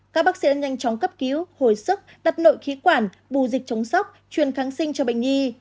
các bác sĩ đã nhanh chóng cấp cứu hồi sức đặt nội khí quản bù dịch chống sốc chuyển kháng sinh cho bệnh nghi